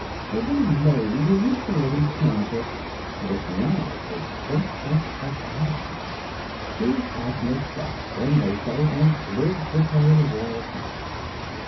"A little maid who used to live in Kansas, but is now a Princess of Oz. She's Ozma's best friend, they say, and lives with her in the royal palace."